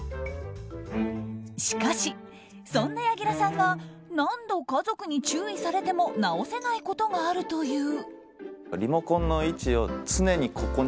しかし、そんな柳楽さんが何度、家族に注意されても直せないことがあるという。